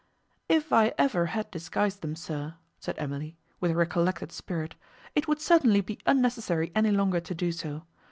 "If I ever had disguised them, sir," said Emily, with recollected spirit, "it would certainly be unnecessary any longer to do so.